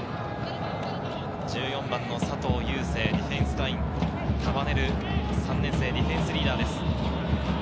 １４番・佐藤優成、ディフェンスを束ねる３年生、ディフェンスリーダーです。